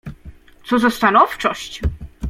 "Co za stanowczość!"